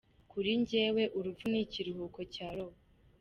Kuri jyewe urupfu ni ikiruhuko cya roho.